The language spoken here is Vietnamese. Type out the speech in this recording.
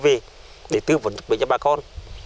tư về để tư vấn dựng bệnh cho bà con